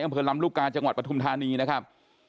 อำเภอลำลูกกาจังหวัดปฐุมธานีนะครับ